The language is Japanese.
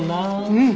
うん！